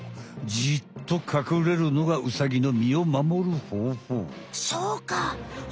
じっとかくれるのがウサギの身を守るほうほう。